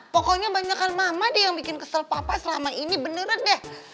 pokoknya banyakan mama deh yang bikin kesel papa selama ini beneran deh